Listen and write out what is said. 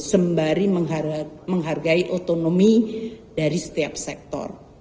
sembari menghargai otonomi dari setiap sektor